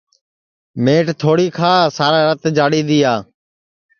مئٹ تھوڑی کھا سارا رَت جاݪی دؔیا